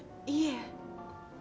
いいえ。